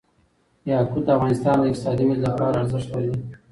یاقوت د افغانستان د اقتصادي ودې لپاره ارزښت لري.